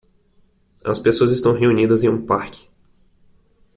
As pessoas estão reunidas em um parque.